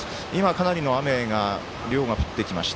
かなりの雨の量が降ってきました。